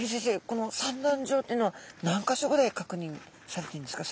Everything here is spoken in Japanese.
この産卵場というのは何か所ぐらい確認されてるんですか？